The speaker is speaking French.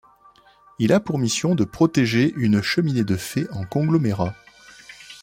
Il a pour mission de protégée une cheminée de fée en conglomérat.